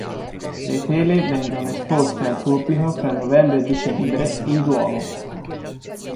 Le tele vengono esposte al pubblico fra novembre e dicembre in Duomo.